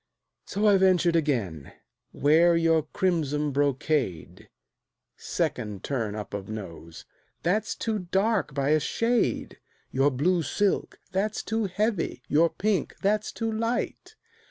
So I ventured again: "Wear your crimson brocade;" (Second turn up of nose) "That's too dark by a shade." "Your blue silk" "That's too heavy." "Your pink" "That's too light."